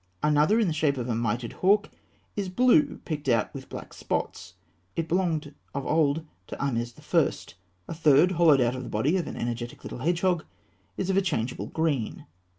Another, in the shape of a mitred hawk, is blue picked out with black spots. It belonged of old to Ahmes I. A third, hollowed out of the body of an energetic little hedgehog, is of a changeable green (fig.